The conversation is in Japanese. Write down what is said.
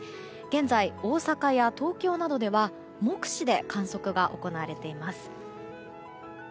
現在、大阪や東京などでは目視で観測が行われています。